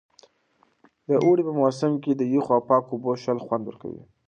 د اوړي په موسم کې د یخو او پاکو اوبو څښل خوند ورکوي.